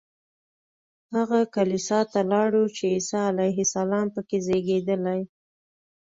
هغه کلیسا ته لاړو چې عیسی علیه السلام په کې زېږېدلی.